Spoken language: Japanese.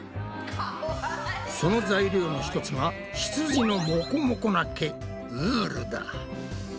その材料の一つがひつじのモコモコな毛ウールだ。